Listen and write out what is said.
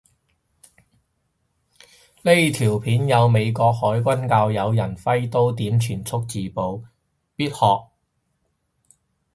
呢條片有美國海軍教有人揮刀點全速自保，必學